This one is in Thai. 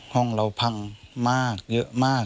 ห้องเราพังมากเยอะมาก